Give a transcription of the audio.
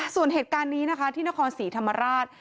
ส่วนเหตุการณ์นี้นะคะที่นครศรีธรรมราช